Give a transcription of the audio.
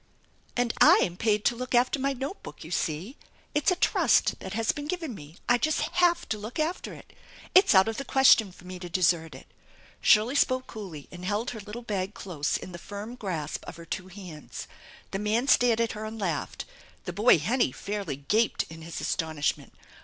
"And 7 am paid to look after my note book, you see. It's a trust that has been given me ! I just have to look after it. It's out of the question for me to desert it !" Shirley spoke coolly and held her little bag close in the firm grasp of her two hands. The man stared at her and laughed. The boy Hennie fairly gaped in his astonishment.